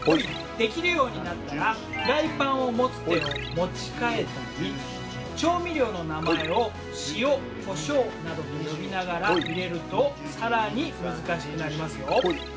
できるようになったらフライパンを持つ手を持ち替えたり調味料の名前を「塩・コショウ」などと呼びながら入れると更に難しくなりますよ。